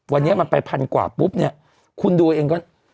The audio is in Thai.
วันนี้มันไปพันกว่าปุ๊บเนี่ยคุณดูเองก็